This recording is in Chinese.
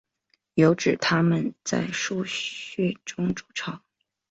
有指它们是在树穴中筑巢。